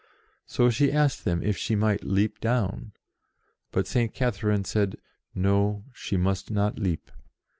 So she asked them if she might leap down, but St. Catherine said, No ; she must not leap.